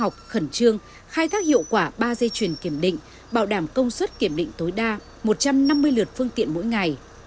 đăng kiểm định bảo đảm công suất kiểm định tối đa một trăm năm mươi lượt phương tiện mỗi ngày